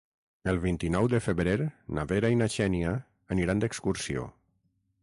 El vint-i-nou de febrer na Vera i na Xènia aniran d'excursió.